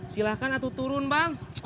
silahkan atau turun bang